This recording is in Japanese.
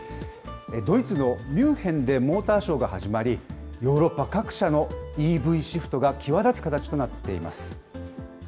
ドイツのミュンヘンでモーターショーが始まり、ヨーロッパ各社のＥＶシフトが際立つ形となっています。